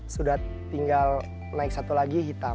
sudah tinggal naik satu lagi hitam